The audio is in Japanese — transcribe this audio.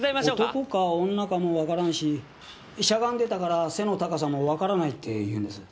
男か女かもわからんししゃがんでたから背の高さもわからないって言うんです。